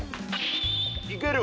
いける？